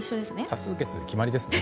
多数決で決まりですね。